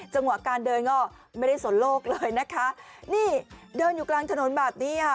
จังหวะการเดินก็ไม่ได้สนโลกเลยนะคะนี่เดินอยู่กลางถนนแบบนี้ค่ะ